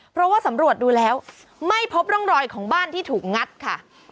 เพราะว่าสำรวจดูแล้วไม่พบร่องรอยของบ้านที่ถูกงัดค่ะ